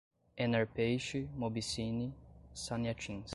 Enerpeixe, Mobi Cine, Saneatins